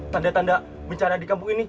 tanda tanda bencana di kampung ini